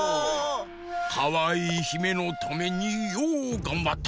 かわいいひめのためにようがんばった！